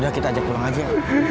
ya kita ajak pulang aja